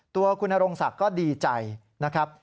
ตัวคุณนรงศักดิ์ก็ดีใจนะครับ